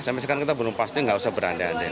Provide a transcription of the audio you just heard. saya misalkan kita belum pasti gak usah beranda anda